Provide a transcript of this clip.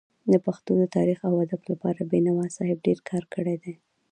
د پښتو د تاريخ او ادب لپاره بينوا صاحب ډير کار کړی دی.